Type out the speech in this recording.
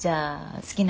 好きな人。